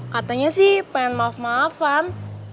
katanya sih pengen maaf maafan